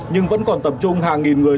nhưng vẫn còn tập trung hàng nghìn người